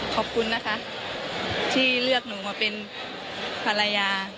ขอบคุณนะคะที่เลือกหนูมาเป็นภรรยา